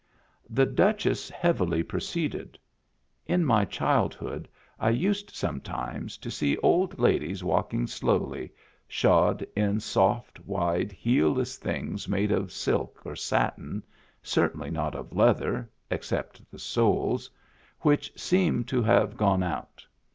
The Duchess heavily proceeded. In my child hood I used sometimes to see old ladies walking slowly, shod in soft, wide, heelless things made of silk or satin — certainly not of leather, except the soles — which seem to have gone out.